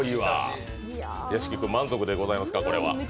屋敷君、満足でございますか？